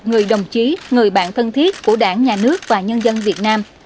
người đồng chí người bạn thân thiết của đảng nhà nước và nhân dân việt nam